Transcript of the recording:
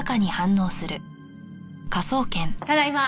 ただいま。